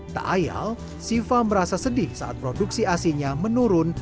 tak ayal syifa merasa sedih saat produksi asi nya menurun